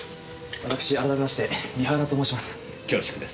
私改めまして三原と申します。